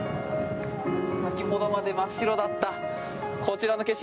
先ほどまで真っ白だったこちらの景色